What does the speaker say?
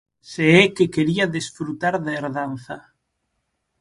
Se é que quería desfrutar da herdanza.